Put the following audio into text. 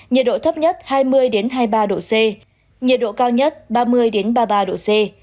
nhiệt độ thấp nhất hai mươi hai mươi ba độ c nhiệt độ cao nhất ba mươi ba mươi ba độ c